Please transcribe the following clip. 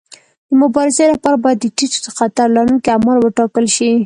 د مبارزې لپاره باید د ټیټ خطر لرونکي اعمال وټاکل شي.